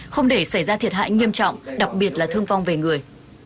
không để xảy ra thiệt hại nghiêm trọng đặc biệt là thương vong về người